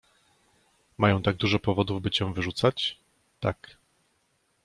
— Mają tak dużo powodów, by cię wyrzucać? — Tak.